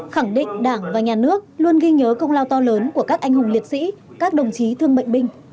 khẳng định đảng và nhà nước luôn ghi nhớ công lao to lớn của các anh hùng liệt sĩ các đồng chí thương bệnh binh